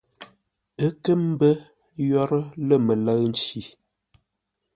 Ə́ kə́ mbə́ yórə́ lə̂ mələ̂ʉ nci.